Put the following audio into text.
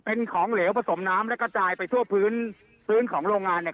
เป็นของเหลวผสมน้ำและกระจายไปทั่วพื้นพื้นของโรงงานเนี่ย